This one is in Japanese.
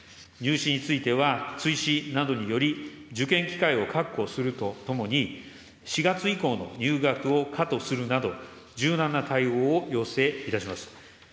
入試については追試などにより、受験機会を確保するとともに、４月以降の入学を可とするなど、柔軟な対応を要請いたします。